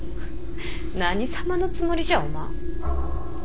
何様のつもりじゃお万。